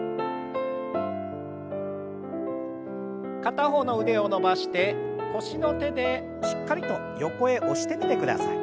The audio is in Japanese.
片方の腕を伸ばして腰の手でしっかりと横へ押してみてください。